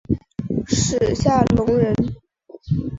史夏隆人。